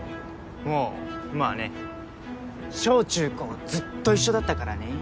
おおまあね小中高ずっと一緒だったからねえ